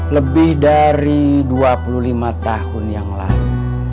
lebih dari dua puluh lima tahun yang lalu